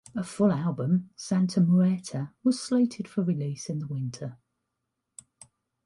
A full album 'Santa Muerte' was slated for release in the winter.